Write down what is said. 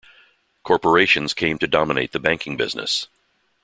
Corporations came to dominate the banking business.